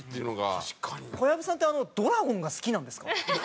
小籔さんってドラゴンが好きなんですか？